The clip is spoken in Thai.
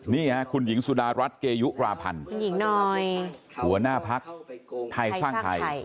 นี่คุณหญิงสุดารัฐเกยุราพันธ์หัวหน้าภักดิ์ไทยสร้างไทย